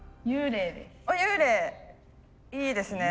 幽霊いいですね。